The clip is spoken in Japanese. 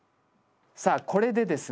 さあこれでですね